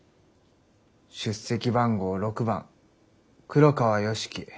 出席番号６番黒川良樹。